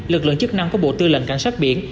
lực lượng chức năng của bộ tư lệnh cảnh sát biển